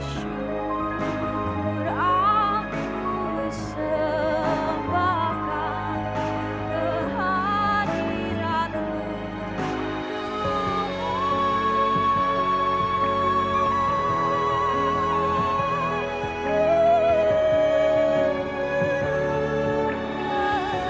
syukur aku sembahkan kehadiran mu